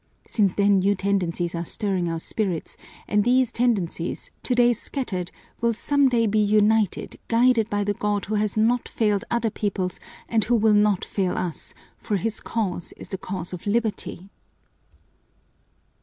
Since then new tendencies are stirring our spirits, and these tendencies, today scattered, will some day be united, guided by the God who has not failed other peoples and who will not fail us, for His cause is the cause of liberty!"